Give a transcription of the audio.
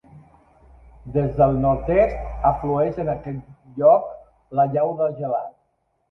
Des del nord-est, aflueix en aquest lloc la llau de Gelat.